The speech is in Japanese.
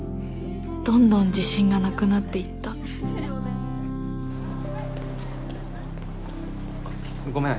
どんどん自信がなくなっていったごめん